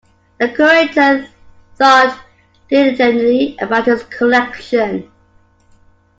The curator thought diligently about his collection.